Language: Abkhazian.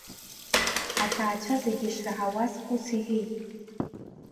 Аҭаацәа зегьы ишраҳауаз ус иҳәеит…